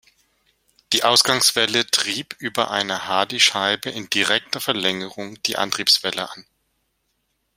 Die Ausgangswelle trieb über eine Hardyscheibe in direkter Verlängerung die Antriebswelle an.